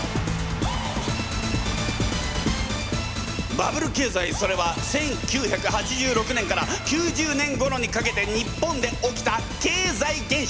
バブル経済それは１９８６年から９０年ごろにかけて日本で起きた経済現象。